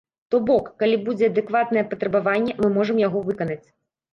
То бок, калі будзе адэкватнае патрабаванне, мы можам яго выканаць.